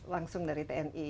langsung dari tni